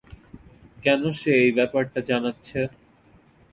কেন সে এই ব্যাপারটা জানাচ্ছে?